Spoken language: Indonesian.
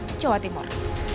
saya jawa timur